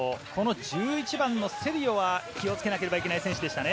１１番のセリオは気をつけなければいけない選手でしたね。